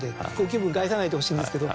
気分害さないでほしいんですけど。